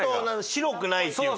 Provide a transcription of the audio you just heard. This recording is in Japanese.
白くないっていうか。